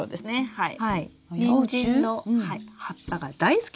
はい。